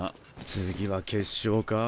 次は決勝か。